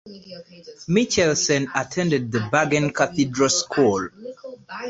Michelsen attended the Bergen Cathedral School.